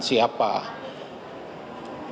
berani mengatakan siapa